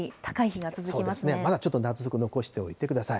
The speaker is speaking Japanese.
まだちょっと夏服残しておいてください。